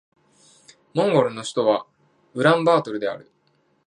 モンゴルの首都はウランバートルである